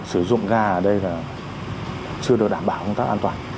sử dụng ga ở đây là chưa được đảm bảo công tác an toàn